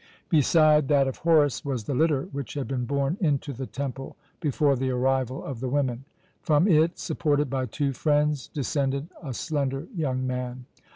Beside that of Horus was the litter which had been borne into the temple before the arrival of the women. From it, supported by two friends, descended a slender young man.